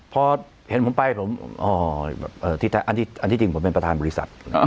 พอเห็นผมไปผมอันที่จริงผมเป็นประธานบริษัท